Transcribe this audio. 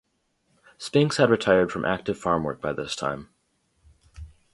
Spinks had retired from active farm work by this time.